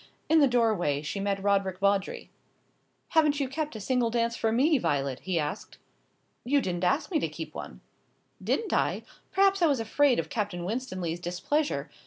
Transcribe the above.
In the doorway she met Roderick Vawdrey. "Haven't you kept a single dance for me, Violet?" he asked. "You didn't ask me to keep one." "Didn't I? Perhaps I was afraid of Captain Winstanley's displeasure.